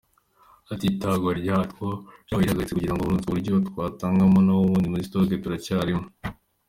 Ati :’’ Itangwa ryatwo ryabaye rihagaritswe kugirango hanonosorwe uburyo twatangwagamo, naho ubundi muri stock turacyarimo”.